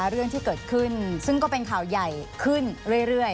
เรื่องที่เกิดขึ้นซึ่งก็เป็นข่าวใหญ่ขึ้นเรื่อย